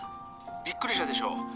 びっくりしたでしょう？